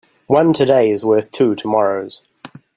One today is worth two tomorrows.